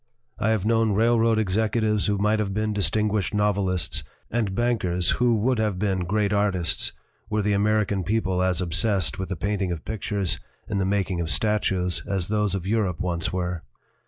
I have known railroad executives who might have been distinguished novelists, and bankers who would have been great artists were the American people as obsessed with the painting of pictures and the making of statues as those of Europe once were.